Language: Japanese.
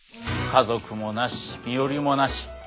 家族もなし身寄りもなし。